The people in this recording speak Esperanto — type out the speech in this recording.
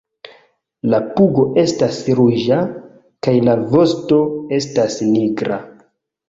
La pugo estas ruĝa kaj la vosto estas nigra.